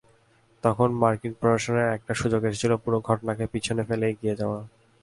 তখন মার্কিন প্রশাসনের একটি সুযোগ এসেছিল পুরো ঘটনাকে পেছনে ফেলে এগিয়ে যাওয়া।